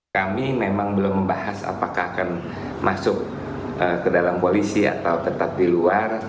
kami memang belum membahas apakah akan masuk ke dalam koalisi atau tetap di luar